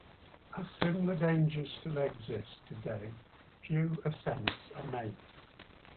As similar dangers still exist today, few ascents are made.